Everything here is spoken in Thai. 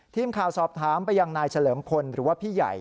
ทีมข่าวสอบถามไปยังนายเฉลิมพลหรือว่าพี่ใหญ่